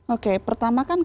oke pertama kan kalau memang